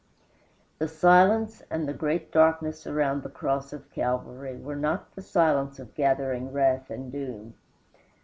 The silence and the great darkness around the cross of Calvary were not the silence of gathering wrath and doom.